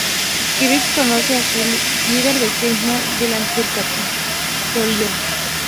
Crypto conoce a Silhouette, líder de The Majestic, delante del Capitolio.